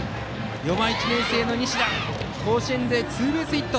４番、１年生の西田が甲子園でツーベースヒット。